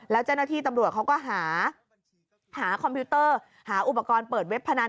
แล้วเจ้าหน้าที่ตำรวจเขาก็หาคอมพิวเตอร์หาอุปกรณ์เปิดเว็บพนัน